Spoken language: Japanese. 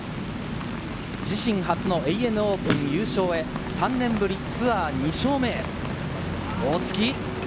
自身初のＡＮＡオープン優勝へ、３年ぶりツアー２勝目へ、大槻。